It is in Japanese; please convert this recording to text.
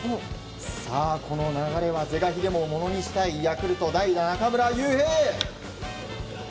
さあ、この流れは是が非でもものにしたいヤクルト代打、中村悠平。